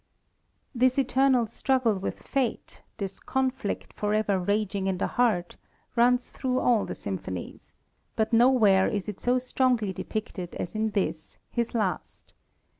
This eternal struggle with fate, this conflict forever raging in the heart, runs through all the Symphonies, but nowhere is it so strongly depicted as in this, his last.